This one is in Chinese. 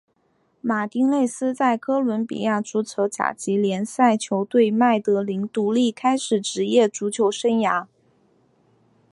马丁内斯在哥伦比亚足球甲级联赛球队麦德林独立开始职业足球生涯。